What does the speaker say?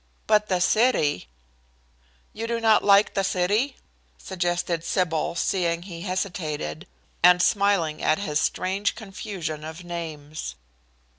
But the city" "You do not like the city?" suggested Sybil, seeing he hesitated, and smiling at his strange confusion of names.